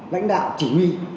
lãnh đạo chỉ huy